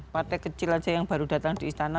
partai kecil aja yang baru datang di istana